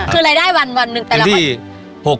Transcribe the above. คือรายได้วันแต่ละวัน